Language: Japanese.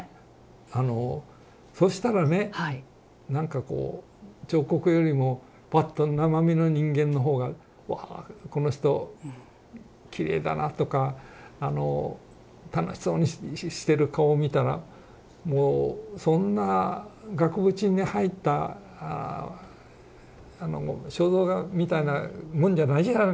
あのそしたらねなんかこう彫刻よりもパッと生身の人間の方が「わこの人きれいだな」とか楽しそうにしてる顔見たらもうそんな額縁に入った肖像画みたいなもんじゃない。